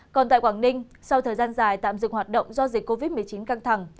còn tại quảng ninh sau thời gian dài tạm dừng hoạt động do dịch covid một mươi chín căng thẳng